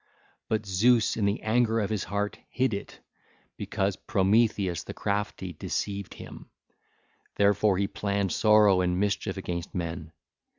But Zeus in the anger of his heart hid it, because Prometheus the crafty deceived him; therefore he planned sorrow and mischief against men.